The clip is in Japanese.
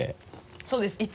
そうです